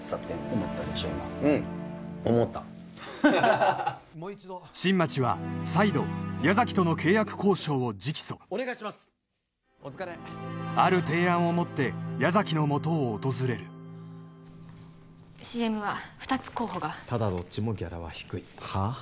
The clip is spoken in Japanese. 今うん思った新町は再度矢崎との契約交渉を直訴ある提案を持って矢崎のもとを訪れるＣＭは２つ候補がただどっちもギャラは低いはっ？